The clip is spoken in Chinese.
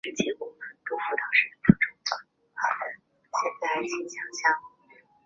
萨尔内总统镇是巴西马拉尼昂州的一个市镇。